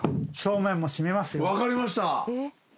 分かりました。